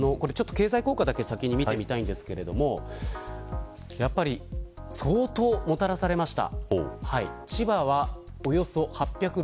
経済効果だけ先に見てみたいんですがやっぱり相当もたらされました。